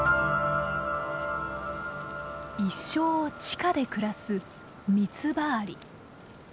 一生を地下で暮らすミツバアリ。